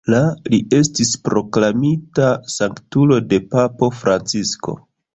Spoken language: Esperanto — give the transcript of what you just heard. La li estis proklamita sanktulo de papo Francisko.